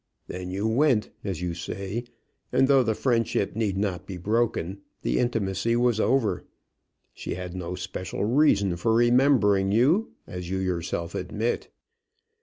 Then you went, as you say, and though the friendship need not be broken, the intimacy was over. She had no special reason for remembering you, as you yourself admit.